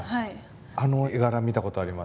あの絵柄見たことあります。